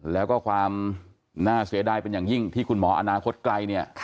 แล้วก็ความน่าเสียดายเป็นอย่างยิ่งที่คุณหมออนาคตไกลเนี่ย